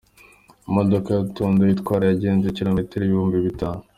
Imodoka ya Tunda yitwara yagenze kilometero Ibihumbi Bitanu